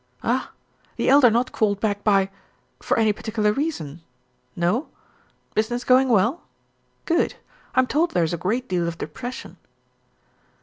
"Ah! The Elder not called back by for any particular reason? No. Business going well? Good. I'm told there's a great deal of depression."